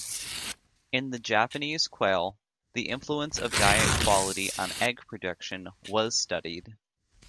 In the Japanese quail, the influence of diet quality on egg production was studied.